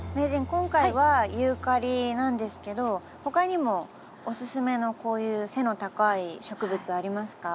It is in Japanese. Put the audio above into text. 今回はユーカリなんですけど他にもおすすめのこういう背の高い植物ありますか？